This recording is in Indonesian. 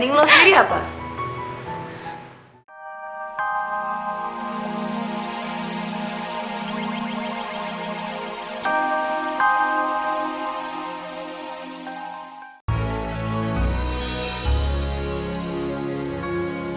gak penting lu sendiri apa